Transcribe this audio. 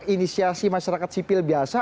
inisiasi masyarakat sipil biasa